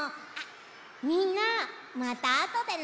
みんなまたあとでね。